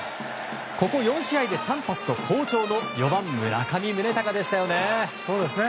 ここ４試合で３発と好調の４番、村上宗隆でしたよね。